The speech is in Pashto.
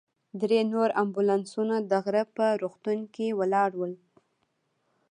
درې نور امبولانسونه د غره په روغتون کې ولاړ ول.